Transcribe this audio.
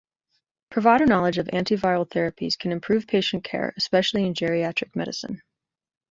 Provider knowledge of antiviral therapies can improve patient care, especially in geriatric medicine.